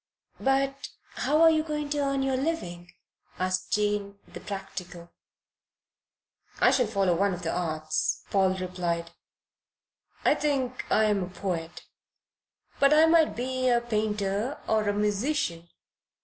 "But how are you going to earn your living?" asked Jane, the practical. "I shall follow one of the arts," Paul replied. "I think I am a poet, but I might be a painter or a musician."